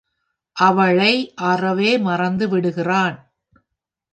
அவளை அறவே மறந்து விடுகிறான்.